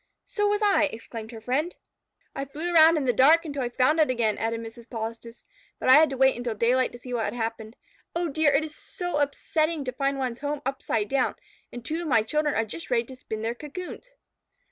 "So was I," exclaimed her friend. "I flew around in the dark until I found it again," added Mrs. Polistes, "but I had to wait until daylight to see what had happened. Oh, dear! It is so upsetting to find one's home upside down, and two of my children are just ready to spin their cocoons."